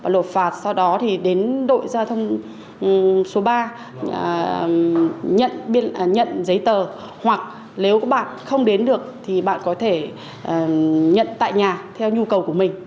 lột phạt sau đó thì đến đội giao thông số ba nhận giấy tờ hoặc nếu các bạn không đến được thì bạn có thể nhận tại nhà theo nhu cầu của mình